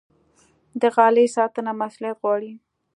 د غالۍ ساتنه مسوولیت غواړي.